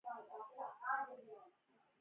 پلورنځی د سوداګرۍ مهم جز دی.